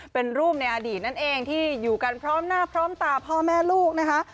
เป็นรูปในอดีตนั่นเองที่อยู่กันพร้อมหน้าพร้อมตาพ่อแม่ลูกนะคะ